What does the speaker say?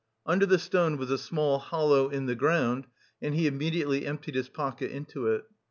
Under the stone was a small hollow in the ground, and he immediately emptied his pocket into it.